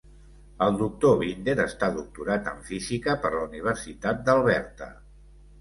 El Doctor Binder està doctorat en Física per la Universitat d'Alberta.